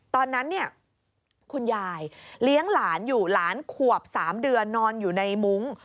ตอนนั้นเนี่ยคุณยายเลี้ยงหลานอยู่หลานขวบ๓เดือนนอนอยู่ในมุ้ง